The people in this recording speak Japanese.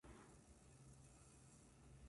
いーね